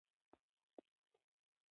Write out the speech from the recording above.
د واک ناسم استعمال زوال راولي